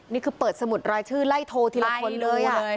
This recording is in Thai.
นี่คือเปิดสมุดรายชื่อไล่โทรทีละคนเลย